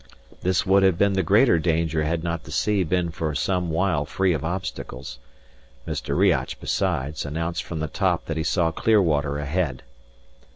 This would have been the greater danger had not the sea been for some while free of obstacles. Mr. Riach, besides, announced from the top that he saw clear water ahead.